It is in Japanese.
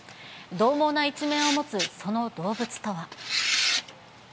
どう猛な一面を持つその動物とは。